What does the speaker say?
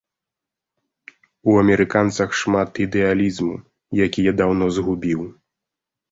У амерыканцах шмат ідэалізму, які я даўно згубіў.